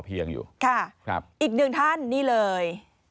อีกหนึ่งท่านนี่เลย